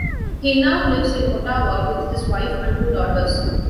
He now lives in Ottawa with his wife and two daughters.